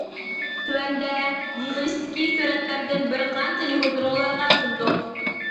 تۆۋەندە يىغىلىشتىكى سۈرەتلەردىن بىر قانچىنى ھۇزۇرۇڭلارغا سۇندۇق.